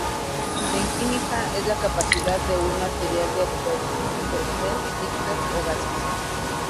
En Química, es la capacidad de un material de absorber líquidos o gases.